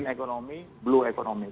ekonomi merah ekonomi biru